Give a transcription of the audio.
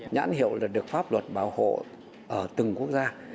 nhãn hiệu là được pháp luật bảo hộ ở từng quốc gia